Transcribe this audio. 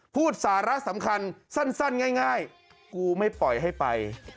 พูดสาระสำคัญสั้นง่ายกูไม่ปล่อยให้ไป